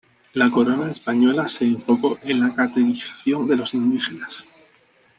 La corona española se enfocó en la catequización de los indígenas.